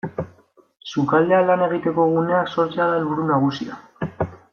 Sukaldean lan egiteko guneak sortzea da helburu nagusia.